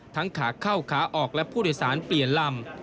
ขาเข้าขาออกและผู้โดยสารเปลี่ยนลำ